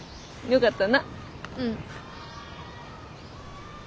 よかった。